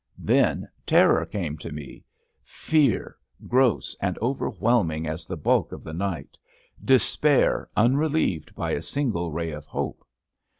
Then Terror came to me — Fear, gross and overwhelming as the bulk of the night — ^Despair unrelieved by a single ray of hope.